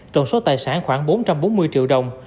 trong số tài sản khoảng bốn trăm bốn mươi triệu đồng